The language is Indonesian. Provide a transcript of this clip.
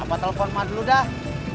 apa telepon mah dulu dah